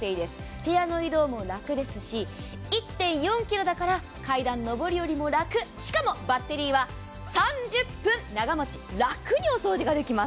部屋の移動も楽ですし、１．４ｋｇだから階段上り下りも楽、しかもバッテリーは３０分長持ち、楽にお掃除できます。